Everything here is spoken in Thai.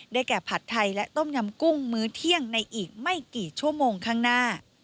แก่ผัดไทยและต้มยำกุ้งมื้อเที่ยงในอีกไม่กี่ชั่วโมงข้างหน้า